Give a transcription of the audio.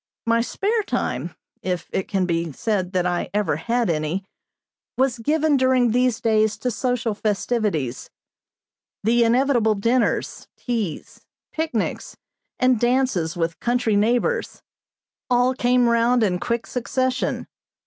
My spare time, if it can be said that I ever had any, was given during these days to social festivities. The inevitable dinners, teas, picnics, and dances with country neighbors, all came round in quick succession.